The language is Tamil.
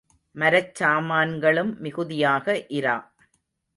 மரச் சாமான்களும் மிகுதியாக இரா.